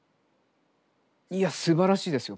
いやすばらしいですよ